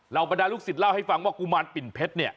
บรรดาลูกศิษย์เล่าให้ฟังว่ากุมารปิ่นเพชรเนี่ย